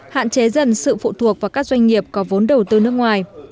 hạn chế dần sự phụ thuộc vào các doanh nghiệp có vốn đầu tư nước ngoài